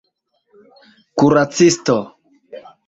kuracisto